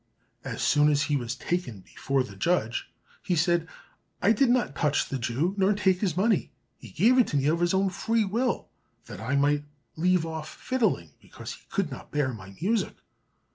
As soon as he was taken before the judge he said, "I did not touch the Jew, nor take his money; he gave it to me of his own free will, that I might leave off fiddling because he could not bear my music."